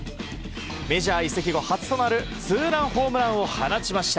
メジャー移籍後初となるツーランホームランを放ちました。